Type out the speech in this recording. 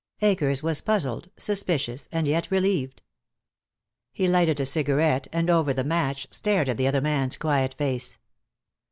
Akers was puzzled, suspicious, and yet relieved. He lighted a cigarette and over the match stared at the other man's quiet face.